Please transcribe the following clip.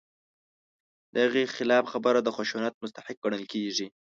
د هغې خلاف خبره د خشونت مستحق ګڼل کېږي.